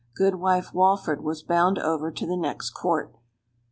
Goodwife Walford was bound over to the next Court.